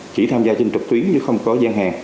thì họ cũng tham gia trên trực tuyến nhưng không có gian hàng